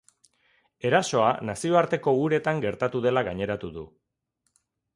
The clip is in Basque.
Erasoa nazioarteko uretan gertatu dela gaineratu du.